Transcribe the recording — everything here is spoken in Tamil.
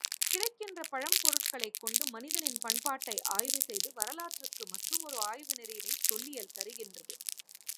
கிடைக்கின்ற பழம்பொருட்களைக் கொண்டு மனிதனின் பண்பாட்டை ஆய்வு செய்து வரலாற்றுக்கு மற்றமொரு ஆய்வு நெறியினைத் தொல்லியல் தருகின்றது.